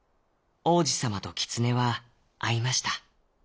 王子さまとキツネはあいました。